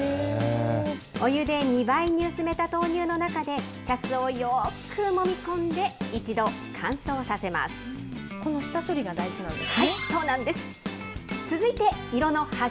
お湯で２倍に薄めた豆乳の中で、シャツをよーくもみ込んで、一度、乾燥させます。